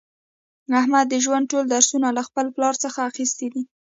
احمد د ژوند ټول درسونه له خپل پلار څخه اخیستي دي.